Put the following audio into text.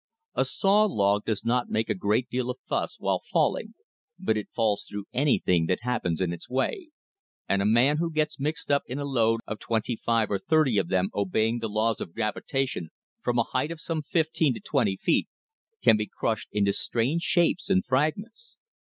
A saw log does not make a great deal of fuss while falling, but it falls through anything that happens in its way, and a man who gets mixed up in a load of twenty five or thirty of them obeying the laws of gravitation from a height of some fifteen to twenty feet, can be crushed into strange shapes and fragments.